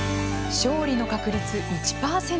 勝利の確率、１％。